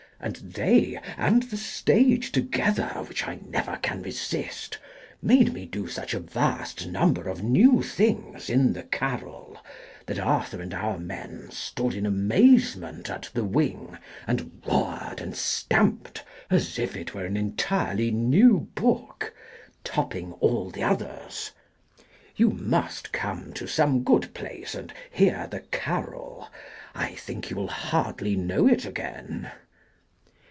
And they — and the stage together : which I never can resist — made me do such a vast number of new things in the " Carol," that Arthur and our men stood in amaze ment at the Wing, and roared and stamped as if it were an entirely new book, topping all the others. 1858] A HIGHLY SENSITIVE PLATE. 247 You must come to some good place and hear the " Carol." I think you will hardly know it again.